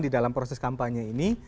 di dalam proses kampanye ini